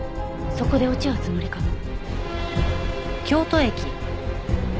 そこで落ち合うつもりかも。